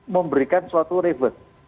memberikan suatu revert